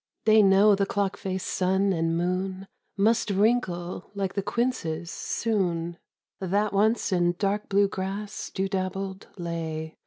They know the clock faced sun and moon Must wrinkle like the quinces soon (That once in dark blue grass dew dabbled Lay)